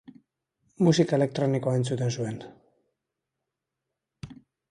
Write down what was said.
Musika elektronikoa entzuten zuen.